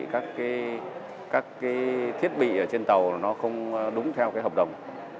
các cái thiết bị ở trên tàu nó không đúng theo cái hợp đồng